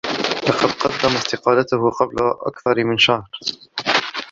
لقد قدّم تستقالته قبل أكثر من شهر.